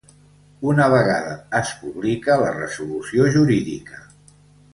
Una vegada es publica la resolució jurídica.